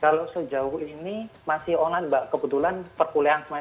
kalau sejauh ini masih online mbak kebetulan perkulian